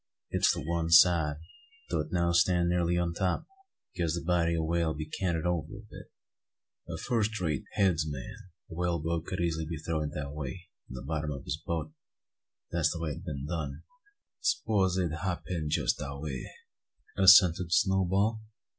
It's to one side, though it now stand nearly on top; because the body o' the whale be canted over a bit. A first rate `_heads man_' o' a whale boat could easily a' throwed it that way from the bottom o' his boat, and that's the way it ha' been done." "Spose 'im hab been jest dat way," assented Snowball.